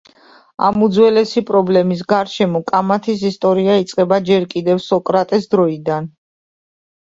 ამ უძველესი პრობლემის გარეშემო კამათის ისტორია იწყება ჯერ კიდევ სოკრატეს დროიდან.